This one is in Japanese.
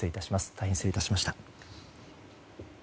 大変失礼いたしました。